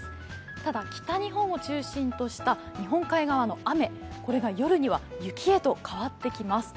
ただ北日本を中心とした日本海側の雨が夜には雪へと変わっていきます。